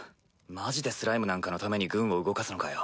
マジでスライムなんかのために軍を動かすのかよ。